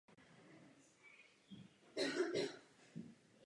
Vítám rovněž návrh kolegy Marinescu na zřízení speciálního fondu.